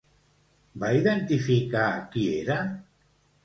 Va identificar qui era?